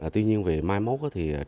tuy nhiên về mai mốt thì trở lại